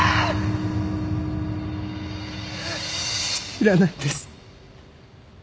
知らないんです。